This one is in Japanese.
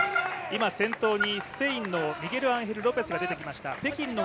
今、先頭にスペインのミゲルアンヘル・ロペスが出てきました。